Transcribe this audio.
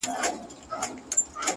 لكه اوبه چي دېوال ووهي ويده سمه زه ـ